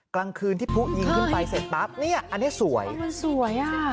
กลางคืนที่ผู้ยิงขึ้นไปเสร็จปั๊บเนี่ยอันนี้สวยมันสวยอ่ะ